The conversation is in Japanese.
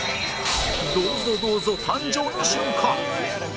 「どうぞ、どうぞ」誕生の瞬間